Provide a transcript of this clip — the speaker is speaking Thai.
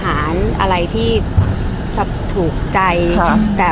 ภาษาสนิทยาลัยสุดท้าย